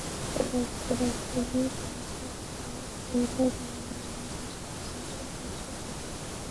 ফ্রান্সের রাজধানী প্যারিসের লা-শাপেলে বাংলা ভাষায় ফরাসি ভাষা শিক্ষাপ্রতিষ্ঠানের কার্যক্রম শুরু হয়েছে।